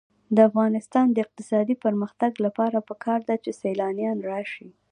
د افغانستان د اقتصادي پرمختګ لپاره پکار ده چې سیلانیان راشي.